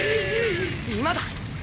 今だ！